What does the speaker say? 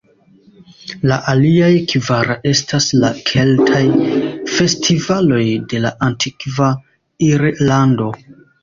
La aliaj kvar estas la "keltaj" festivaloj de la antikva Irlando.